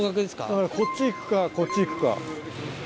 だからこっち行くかこっち行くか。